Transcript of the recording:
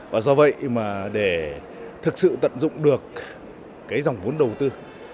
và do vậy mà để thực sự tận dụng được cái dòng vốn đầu tư